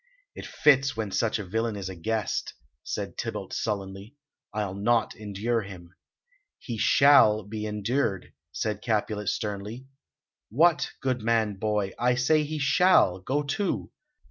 "It fits when such a villain is a guest," said Tybalt sullenly. "I'll not endure him!" "He shall be endured," said Capulet sternly. "What, goodman boy! I say he shall; go to!